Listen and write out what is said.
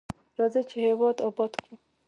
راځئ چې هیواد اباد کړو.